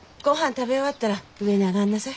食べ終わったら上に上がんなさい。